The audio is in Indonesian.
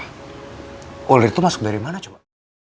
holder itu masuk dari mana coba